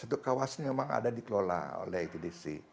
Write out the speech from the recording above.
satu kawasan memang ada dikelola oleh acdc